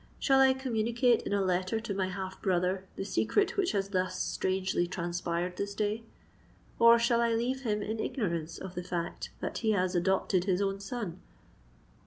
Shall I communicate in a letter to my half brother the secret which has thus strangely transpired this day?—or shall I leave him in ignorance of the fact that he has adopted his own son?"